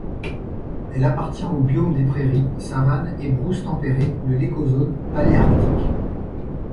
Elle appartient au biome des prairies, savanes et brousses tempérées de l'écozone paléarctique.